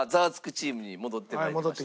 チームに戻ってまいりました。